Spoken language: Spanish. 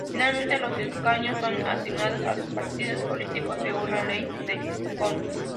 Finalmente, los escaños son asignados a los partidos políticos según la ley D'Hondt.